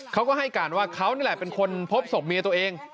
เขาก็ให้การว่าเขานี่แหละเป็นคนพบศพเมียตัวเอง